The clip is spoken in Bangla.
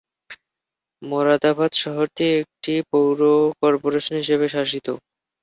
মোরাদাবাদ শহরটি একটি পৌর কর্পোরেশন হিসাবে শাসিত।